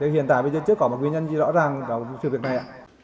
hiện tại bây giờ chưa có nguyên nhân chứa rõ ràng về sự việc này